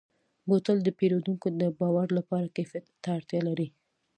بوتل د پیرودونکو د باور لپاره کیفیت ته اړتیا لري.